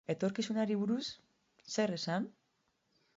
Etorkizunari buruz, zer esan?